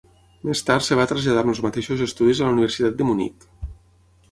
Més tard es va traslladar amb els mateixos estudis a la Universitat de Munic.